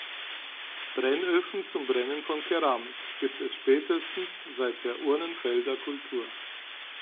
Brennöfen zum Brennen von Keramik gibt es spätestens seit der Urnenfelderkultur.